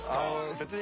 別に。